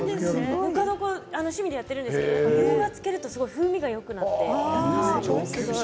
趣味でやっているんですけれどもみょうがを漬けると風味がよくなって。